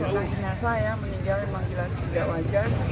jenazah jenazah meninggal memang gila tidak wajar